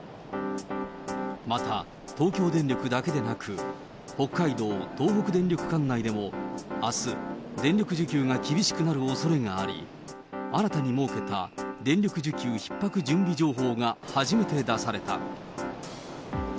また、東京電力だけでなく、北海道、東北電力管内でも、あす、電力需給が厳しくなるおそれがあり、新たに設けた電力需給ひっ迫準備情報が初めて出された。